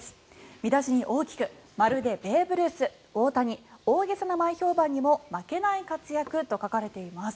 見出しに大きくまるでベーブ・ルース大谷、大げさな前評判にも負けない活躍と書かれています。